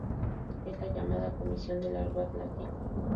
Es la llamada "Comisión del Arco Atlántico".